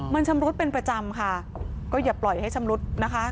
มันชำรุดเป็นประจำค่ะก็อย่าปล่อยให้ชำรุดนะคะ